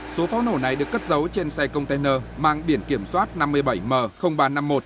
số pháo nổ này được cất dấu trên xe container mang biển kiểm soát năm mươi bảy m ba trăm năm mươi một